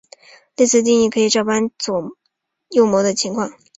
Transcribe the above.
类似定义可以照搬至右模的情况。